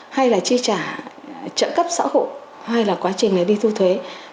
hay là chi trả trợ cấp xã hội hay là quá trình đi thu thuế